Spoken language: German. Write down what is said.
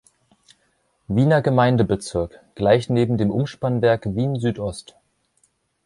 Wiener Gemeindebezirk, gleich neben dem Umspannwerk Wien-Südost.